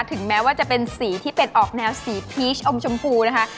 ถึงแม้ว่าจะเป็นสีที่เป็นออกแนวสีพีชอมชมพูนะคะ